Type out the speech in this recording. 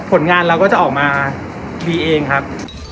ผลงานเราก็จะออกมาดีเองครับ